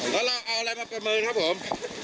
แล้วเราเอาอะไรมาประเมินครับผม